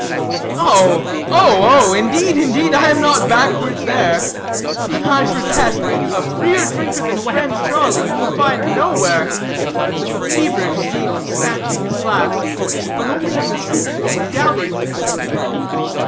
"Oh, oh indeed, indeed I am not backward there. I protest, a freer drinker than friend Charlie you will find nowhere," with feverish zeal snatching his glass, but only in the sequel to dally with it.